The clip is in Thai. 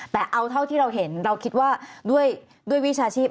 แต่เอาเท่าที่เราเห็นเราคิดว่าด้วยวิชาชีพ